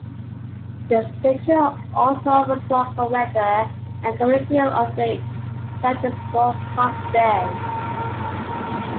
The station also offers local weather and community updates throughout its broadcast day.